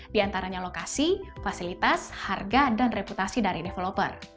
diantaranya lokasi fasilitas harga dan reputasi dari developer